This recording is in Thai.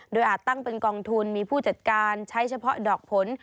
โดยอาจตั้งเป็นกองทุนมีผู้จัดการใช้เฉพาะดอกผล